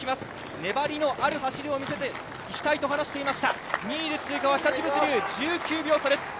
粘りのある走りを見せていきたいと話してました、２位で通過は日立物流、１９秒差です。